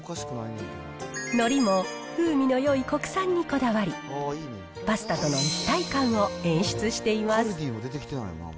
のりも、風味のよい国産にこだわり、パスタとの一体感を演出しています。